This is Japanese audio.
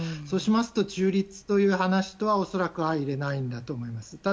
そうしますと中立という話とは相いれないんだと思います。